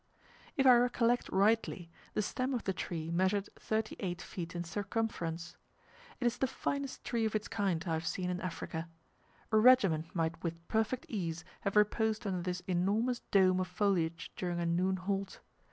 If I recollect rightly, the stem of the tree measured thirty eight feet in circumference. It is the finest tree of its kind I have seen in Africa. A regiment might with perfect ease have reposed under this enormous dome of foliage during a noon halt.